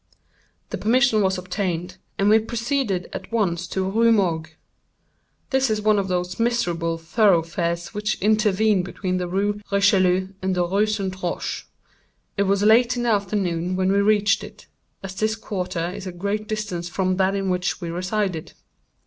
The permission was obtained, and we proceeded at once to the Rue Morgue. This is one of those miserable thoroughfares which intervene between the Rue Richelieu and the Rue St. Roch. It was late in the afternoon when we reached it, as this quarter is at a great distance from that in which we resided.